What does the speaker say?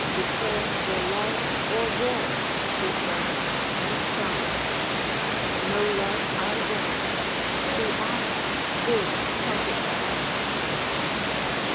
Declare for love, or war, she said; and frown'd: No love I'll grant: to arms bid trumpets sound."